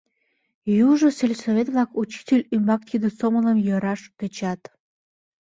Южо сельсовет-влак учитель ӱмбак тиде сомылым йӧраш тӧчат.